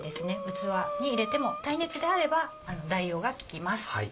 器に入れても耐熱であれば代用が利きます。